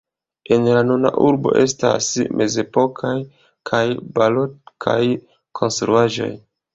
En la nuna urbo estas mezepokaj kaj barokaj konstruaĵoj.